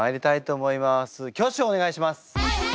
挙手をお願いします。